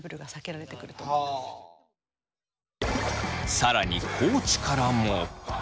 更に地からも。